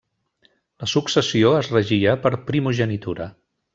La successió es regia per primogenitura.